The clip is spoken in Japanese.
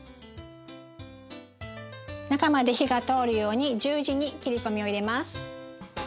中まで火が通るように十字に切り込みを入れます。